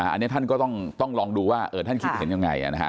อันนี้ท่านก็ต้องลองดูว่าท่านคิดเห็นยังไง